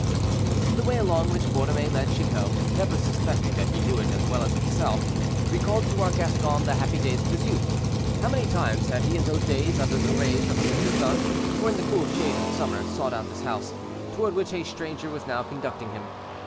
The way along which Borromée led Chicot, never suspecting that he knew it as well as himself, recalled to our Gascon the happy days of his youth. How many times had he in those days, under the rays of the winter sun, or in the cool shade in summer, sought out this house, toward which a stranger was now conducting him.